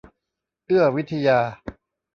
เอื้อวิทยา